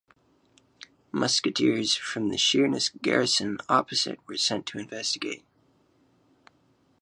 Musketeers from the Sheerness garrison opposite were sent to investigate.